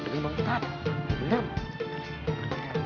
deket bang kandar